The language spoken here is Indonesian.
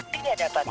tidak dapat hubungi